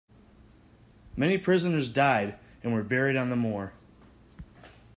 Many prisoners died and were buried on the moor.